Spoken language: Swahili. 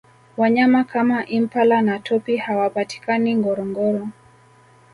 wanyama kama impala na topi hawapatikani ngorongoro